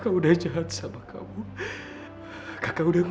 kau amat cara bastardnya